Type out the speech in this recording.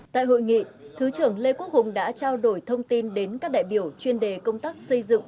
tại hội nghị thứ trưởng lê quốc hùng đã trao đổi thông tin đến các đại biểu chuyên đề công tác xây dựng